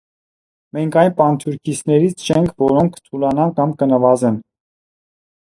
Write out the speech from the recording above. Մենք այն պանթյուրքիստներից չենք, որոնք կթուլանան կամ կնվազեն։